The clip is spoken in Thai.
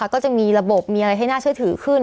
ก็จะมีระบบมีอะไรให้น่าเชื่อถือขึ้น